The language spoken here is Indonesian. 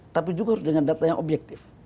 tapi juga harus dengan data yang objektif